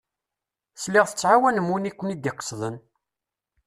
Sliɣ tettɛawanem wid i ken-id-iqesden?